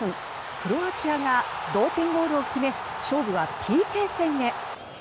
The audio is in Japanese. クロアチアが同点ゴールを決め勝負はＰＫ戦へ。